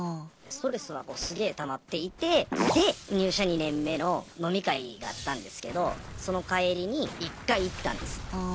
ストレスがすげぇたまっていてで入社２年目の飲み会があったんですけどその帰りに１回行ったんです。